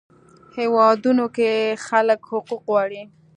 هیوادونو کې خلک حقوق غواړي.